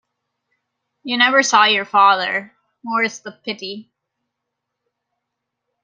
You never saw your father, more's the pity.